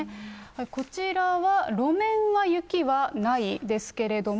こちらは路面は雪はないですけれども。